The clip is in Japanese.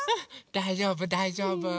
だいじょうぶだいじょうぶ。